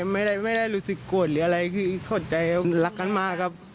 ไม่ได้รู้สึกโกรธหรืออะไรคือเข้าใจรักกันมากครับ